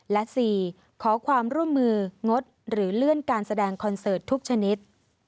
และ๔ขอความร่วมมืองดหรือเลื่อนการแสดงคอนเสิร์ตทุกชนิด